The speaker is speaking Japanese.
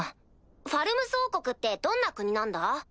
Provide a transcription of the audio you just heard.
ファルムス王国ってどんな国なんだ？